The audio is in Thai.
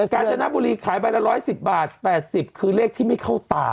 กัญชนรพบุรีขายไปตั้ง๑๑๐บาท๘๐คือเลขที่ไม่เข้าตา